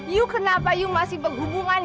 iu kenapa iu masih berhubungan